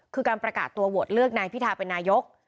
คือการประกาศตัวโหวตเลือกนายพิทาเป็นนายก